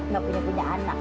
gak punya punya anak